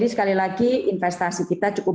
sekali lagi investasi kita cukup